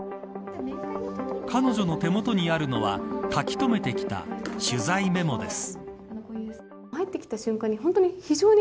彼女の手元にあるのは書き留めてきた取材メモです。